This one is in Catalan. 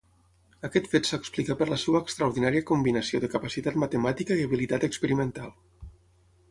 Aquest fet s'explica per la seva extraordinària combinació de capacitat matemàtica i habilitat experimental.